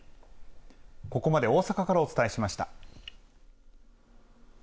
ここまで大阪からお伝えしました。